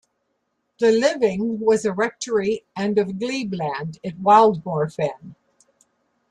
The living was a rectory and of glebe land at Wildmoor Fen.